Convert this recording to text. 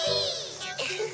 ウフフ！